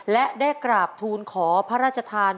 และได้กราบทูลขอพระราชทาน